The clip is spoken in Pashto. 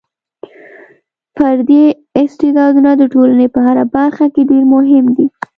فردي استعدادونه د ټولنې په هره برخه کې ډېر مهم دي.